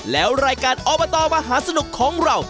แล้วรายการอบตมหาสนุกของเรา